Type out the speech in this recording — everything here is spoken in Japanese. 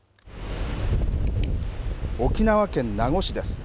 沖縄県名護市です。